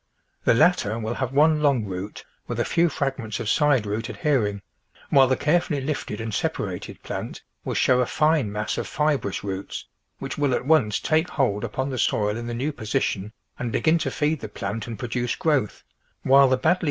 The latter will have one long root, with a few fragments of side root adhering, while the carefully lifted and separated plant will show a fine mass of fibrous roots, which will at once take hold upon the soil in the new position and begin to feed the plant and produce growth, w^hile the badlj?